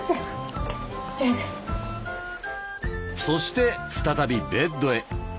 そして再びベッドへ。